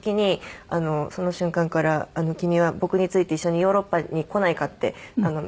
「君は僕に付いて一緒にヨーロッパに来ないか？」って。